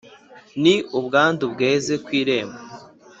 ni ubwandu bweze ku irembo